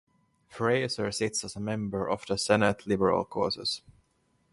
Fraser sits as a member of the Senate Liberal Caucus.